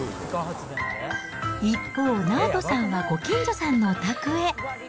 一方、直人さんはご近所さんのお宅へ。